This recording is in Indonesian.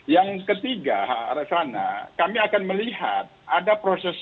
yang ketiga kami akan melihat ada prosesnya